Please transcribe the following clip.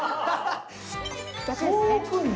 そう置くんや。